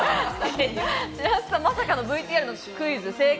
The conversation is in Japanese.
まさかのＶＴＲクイズが正解。